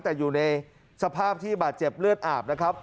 แต่อยู่ในสภาพที่บาดเจ็บเลือดอาบนะครับ